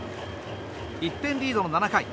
１点リードの７回。